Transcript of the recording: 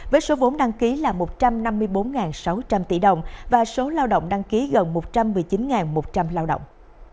với số vốn đăng ký là một trăm năm mươi bốn sáu trăm linh tỷ đồng và số lao động đăng ký gần một trăm một mươi chín một trăm linh lao động